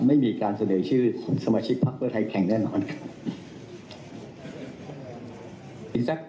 ไม่มีการเสนอชื่อสมาชิกพักเพื่อไทยแข่งแน่นอนครับ